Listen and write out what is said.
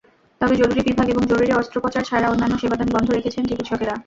তবে জরুরি বিভাগ এবং জরুরি অস্ত্রোপচার ছাড়া অন্যান্য সেবাদান বন্ধ রেখেছেন চিকিৎসকেরা।